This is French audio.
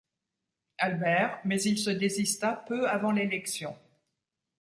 Albert, mais il se désista peu avant l'élection.